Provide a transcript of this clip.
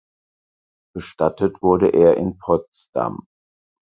Bestattet wurde er in Potsdam.